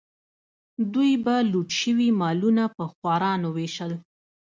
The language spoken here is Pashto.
دوی به لوټ شوي مالونه په خوارانو ویشل.